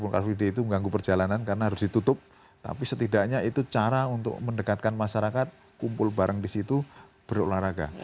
carvide itu mengganggu perjalanan karena harus ditutup tapi setidaknya itu cara untuk mendekatkan masyarakat kumpul bareng disitu berolahraga